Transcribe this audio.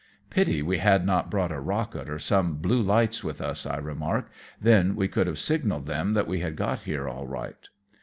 " Pity we had not brought a rocket or some blue lights with us," I remark, "then we could have signalled them that we had got here all right.